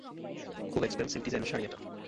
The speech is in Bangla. খুব এক্সপেন্সিভ ডিজাইনের শাড়ি এটা।